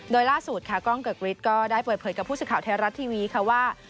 โดยล่าสุดค่ะกล้องเกิกฤทธิก็ได้เปิดเผยกับผู้สื่อข่าวไทยรัฐทีวีค่ะว่า